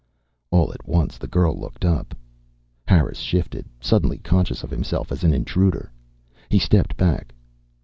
All at once the girl looked up. Harris shifted, suddenly conscious of himself as an intruder. He stepped back.